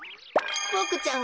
ボクちゃん